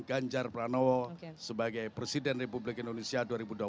ganjar pranowo sebagai presiden republik indonesia dua ribu dua puluh empat dua ribu dua puluh sembilan